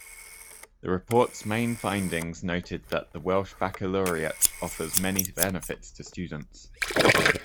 The Report's main findings noted that the Welsh Baccalaureate 'offers many benefits to students.